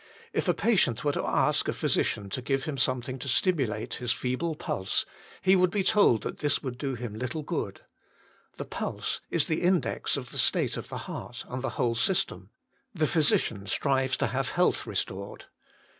If a patient were to ask WHO SHALL DELIVER ? 83 a physician to give him something to stimulate his feeble pulse, he would be told that this would do him little good. The pulse is the index of the state of the heart and the whole system : the physician strives to have health restored.